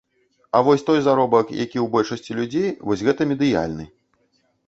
А вось той заробак, які ў большасці людзей, вось гэта медыяльны.